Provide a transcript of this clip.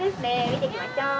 見ていきましょう。